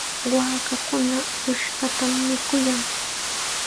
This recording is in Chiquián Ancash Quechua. Waakakuna uqshatam mikuyan.